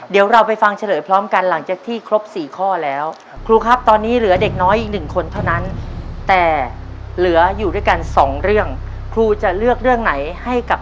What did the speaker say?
เดี๋ยวรอคอมแพงเสร็จแล้วนี่อีกถุงที่สี่แล้วคอมแพงครบแล้วนะครับ